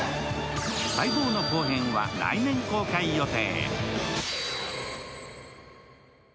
待望の後編は来年公開予定。